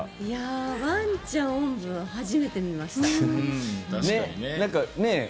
ワンちゃんおんぶは初めて見ました。